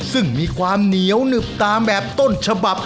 ซึ่งมีความเหนียวหนึบตามแบบต้นฉบับ